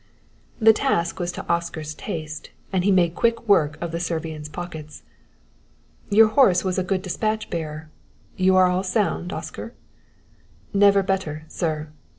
The task was to Oscar's taste, and he made quick work of the Servian's pockets. "Your horse was a good despatch bearer. You are all sound, Oscar?" "Never better, sir.